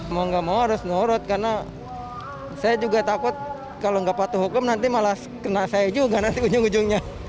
mau nggak mau harus nurut karena saya juga takut kalau nggak patuh hukum nanti malah kena saya juga nanti ujung ujungnya